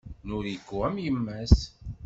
Noriko am yemma-s.